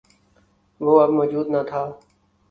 وہ اب موجود نہ تھا۔